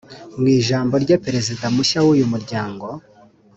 Mu ijambo rye Perezida mushya w’uyu muryango